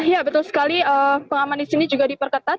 ya betul sekali pengaman di sini juga diperketat